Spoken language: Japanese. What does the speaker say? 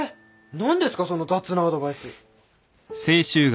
何ですかその雑なアドバイス。